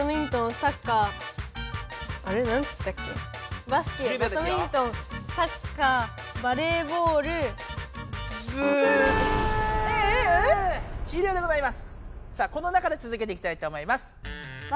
さあこの中でつづけていきたいと思います。